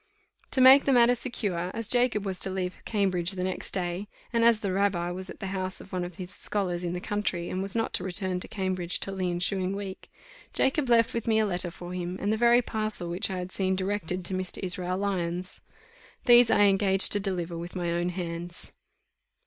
To make the matter secure, as Jacob was to leave Cambridge the next day, and as the rabbi was at the house of one of his scholars in the country, and was not to return to Cambridge till the ensuing week, Jacob left with me a letter for him, and the very parcel which I had seen directed to Mr. Israel Lyons: these I engaged to deliver with my own hands.